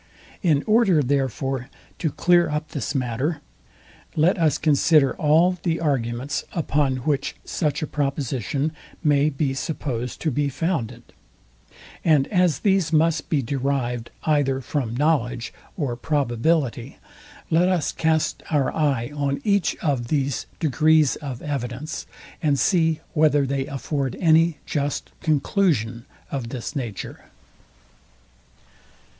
In order therefore to clear up this matter, let us consider all the arguments, upon which such a proposition may be supposed to be founded; and as these must be derived either from knowledge or probability, let us cast our eye on each of these degrees of evidence, and see whether they afford any just conclusion of this nature.